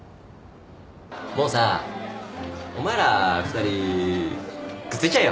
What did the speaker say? もうさお前ら２人くっついちゃえよ。